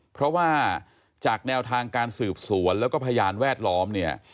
เพราะว่าจากแนวทางการสืบสวนแล้วก็พยานแวดล้อมเนี่ย